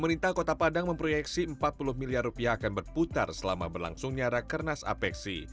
pemerintah kota padang memproyeksi empat puluh miliar rupiah akan berputar selama berlangsungnya rakernas apexi